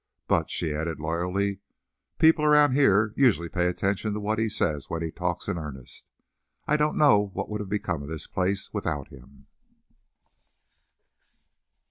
"But," she added, loyally, "people around here usually pay attention to what he says when he talks in earnest. I don't know what would have become of this place without him."